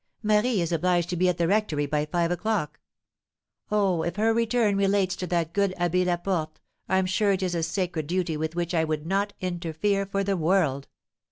"Marie is obliged to be at the rectory by five o'clock." "Oh, if her return relates to that good Abbé Laporte, I am sure it is a sacred duty with which I would not interfere for the world.